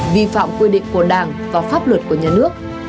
vi phạm quy định của đảng và pháp luật của nhà nước